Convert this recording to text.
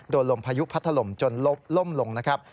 ลมพายุพัดถล่มจนล่มลงนะครับ